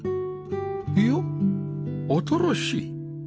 いや新しい